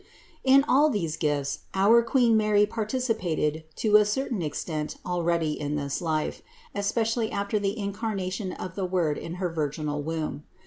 160. In all these gifts our Queen Mary participated to a certain extent already in this life; especially after the Incarnation of the Word in her virginal womb.